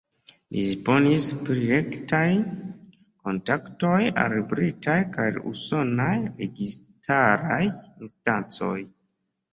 Li disponis pri rektaj kontaktoj al britaj kaj usonaj registaraj instancoj.